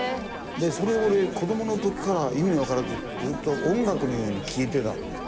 でそれを俺子供の時から意味もわからずずーっと音楽のように聴いてたのね。